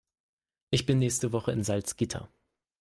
Ich bin nächste Woche in Salzgitter